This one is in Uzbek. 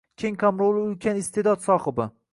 Keng qamrovli ulkan iste’dod sohibi edi